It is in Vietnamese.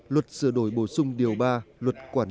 luật sửa đổi bổ sung một số điều của luật tổ chức quốc hội